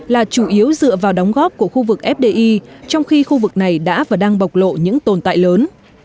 là chủ yếu dựa vào đóng góp của khu vực fdi trong khi khu vực này đã và đang bộc lộ những tồn tại lớn